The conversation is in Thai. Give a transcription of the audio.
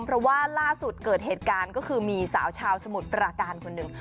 เพราะว่าล่าสุดเกิดเหตุการณ์ก็คือมีสาวชาวสมุทรปราการคนหนึ่ง